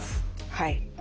はい。